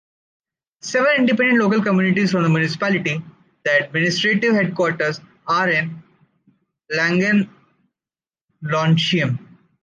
Seven independent local communities form the municipality, the administrative headquarters are in Langenlonsheim.